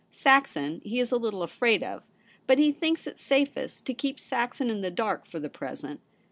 Saxon he is a little afraid of ; but he thinks it safest to keep Saxon in the dark for the present.